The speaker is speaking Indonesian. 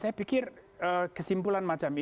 saya pikir kesimpulan macam ini